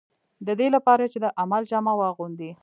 د دې لپاره چې د عمل جامه واغوندي.